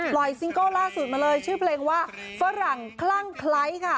ซิงเกิลล่าสุดมาเลยชื่อเพลงว่าฝรั่งคลั่งไคร้ค่ะ